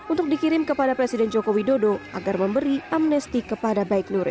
untuk dikirim kepada presiden joko widodo agar memberi amnesti kepada baik nuril